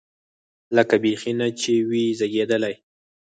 لکه بيخي نه چې وي زېږېدلی.